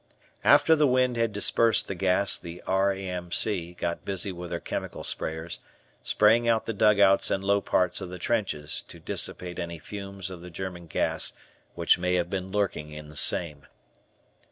After the wind had dispersed the gas, the R.A.M.C. got busy with their chemical sprayers, spraying out the dugouts and low parts of the trenches to dissipate any fumes of the German gas which may have been lurking in same.